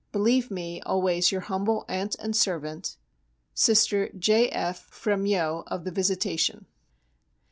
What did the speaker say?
Believe me always your humble aunt and servant, Sister J. F. Frémyot of the Visitation.